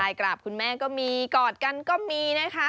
กราบคุณแม่ก็มีกอดกันก็มีนะคะ